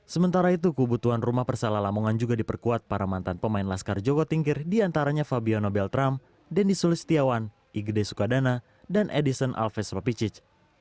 sementara itu kebutuhan rumah persela lamongan juga diperkuat para mantan pemain laskar joko tingkir diantaranya fabiano beltram denny sulistiawan igde sukadana dan edison alves papicic